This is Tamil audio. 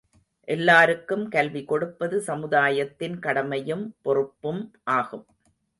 எல்லாருக்கும் கல்வி கொடுப்பது சமுதாயத்தின் கடமையும் பொறுப்பும் ஆகும்.